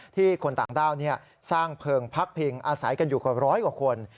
คนต่างด้าวสร้างเพลิงพักพิงอาศัยกันอยู่กว่าร้อยกว่าคน